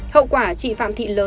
hậu quả chị phạm thị lờ